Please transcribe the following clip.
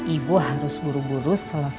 ibu harus buru buru selesai